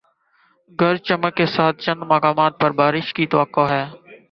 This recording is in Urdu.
گرج چمک کے ساتھ چند مقامات پر بارش کی توقع ہے